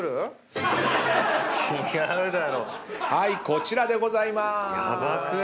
こちらでございまーす！